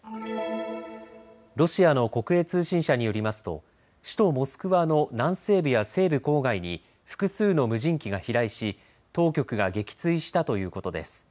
ロシアの国営通信社によりますと首都モスクワの南西部や西部郊外に複数の無人機が飛来し当局が撃墜したということです。